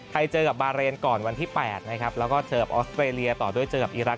เจอกับบาเรนก่อนวันที่๘นะครับแล้วก็เจอกับออสเตรเลียต่อด้วยเจอกับอีรักษ